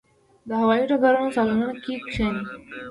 د هوايي ډګرونو صالونونو کې کښېني.